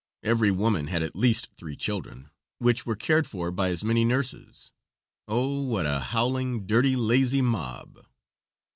Every woman had at least three children, which were cared for by as many nurses. Oh, what a howling, dirty, lazy mob!